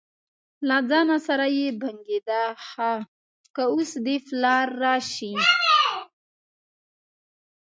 له ځانه سره یې بنګېده: ښه که اوس دې پلار راشي.